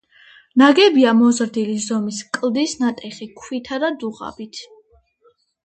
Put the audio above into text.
ნაგებია მოზრდილი ზომის კლდის ნატეხი ქვითა და დუღაბით.